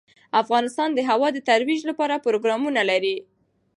افغانستان د هوا د ترویج لپاره پروګرامونه لري.